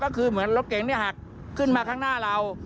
ก็คือเหมือนรถเก่งหักขึ้นมาข้างหน้าเรา